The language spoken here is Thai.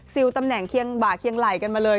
ตำแหน่งเคียงบ่าเคียงไหล่กันมาเลย